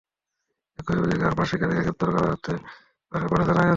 একই অভিযোগে আরও পাঁচ শিক্ষার্থীকে গ্রেপ্তার করা হতে পারে বলে জানা গেছে।